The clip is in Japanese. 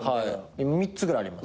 ３つぐらいあります。